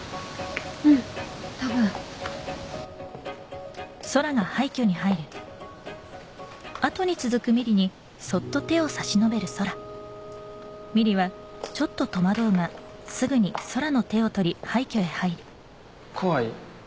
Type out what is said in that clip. うん多分怖い？